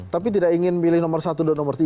tapi tidak ingin milih nomor satu dan nomor tiga